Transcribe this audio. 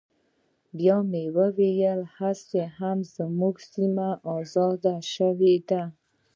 بيا مې وويل هسې هم زموږ سيمې ازادې سوي دي.